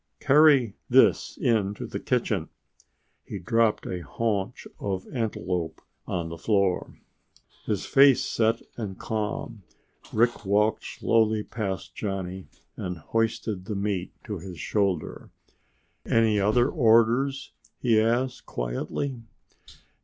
"Carry this in to the kitchen." He dropped a haunch of antelope on the floor. His face set and calm, Rick walked slowly past Johnny and hoisted the meat to his shoulder. "Any other orders?" he asked quietly.